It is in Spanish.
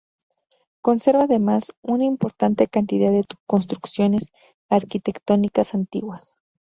Conserva además, una importante cantidad de construcciones arquitectónicas antiguas.